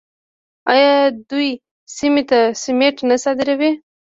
آیا دوی سیمې ته سمنټ نه صادروي؟